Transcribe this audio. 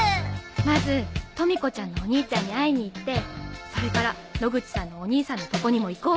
まずとみ子ちゃんのお兄ちゃんに会いに行ってそれから野口さんのお兄さんのとこにも行こう。